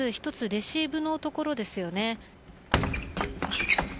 レシーブのところですよね。